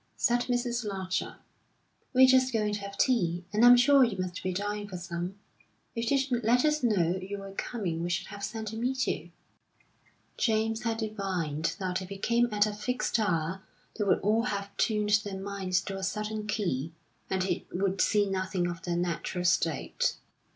said Mrs. Larcher. "We're just going to have tea, and I'm sure you must be dying for some. If you'd let us know you were coming we should have sent to meet you." James had divined that if he came at a fixed hour they would all have tuned their minds to a certain key, and he would see nothing of their natural state.